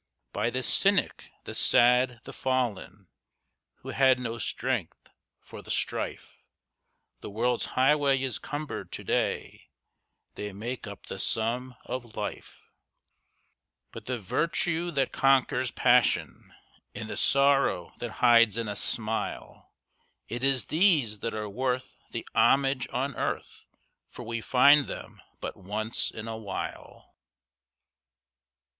By the cynic, the sad, the fallen, Who had no strength for the strife, The world's highway is cumbered to day— They make up the sum of life; But the virtue that conquers passion, And the sorrow that hides in a smile— It is these that are worth the homage on earth, For we find them but once in a while.